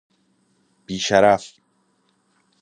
بی شرف